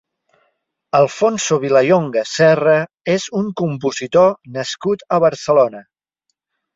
Alfonso Vilallonga Serra és un compositor nascut a Barcelona.